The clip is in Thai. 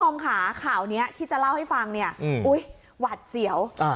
ของขาข่าวนี้ที่จะเล่าให้ฟังเนี่ยอุ้ยหวัดเสี่ยวอ่า